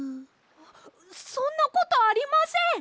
そんなことありません！